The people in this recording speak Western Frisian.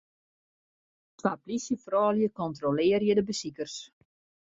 Twa plysjefroulju kontrolearje de besikers.